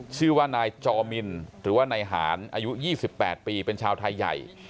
ชื่อว่านายจอมินหรือว่านายหารอายุ๒๘ปีเป็นชาวไทยใหญ่